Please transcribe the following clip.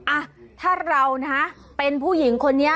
อ่ะถ้าเรานะเป็นผู้หญิงคนนี้